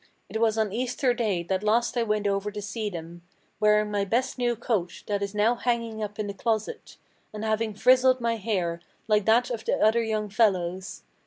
It was on Easter day that last I went over to see them; Wearing my best new coat, that is now hanging up in the closet, And having frizzled my hair, like that of the other young fellows.